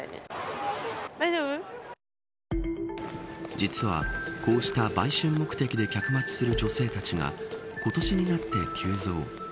実はこうした売春目的で客待ちする女性たちが今年になって急増。